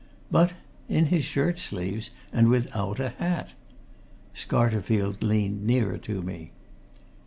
But in his shirt sleeves, and without a hat. Scarterfield leaned nearer to me.